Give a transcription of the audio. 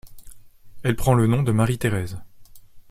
Elle prend le nom de Marie-Thérèse.